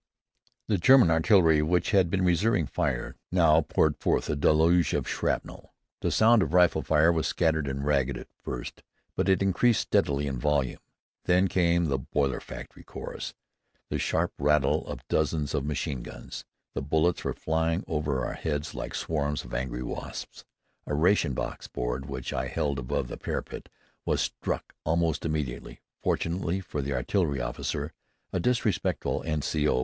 The German artillery, which had been reserving fire, now poured forth a deluge of shrapnel. The sound of rifle fire was scattered and ragged at first, but it increased steadily in volume. Then came the "boiler factory chorus," the sharp rattle of dozens of machine guns. The bullets were flying over our heads like swarms of angry wasps. A ration box board which I held above the parapet was struck almost immediately. Fortunately for the artillery officer, a disrespectful N.C.O.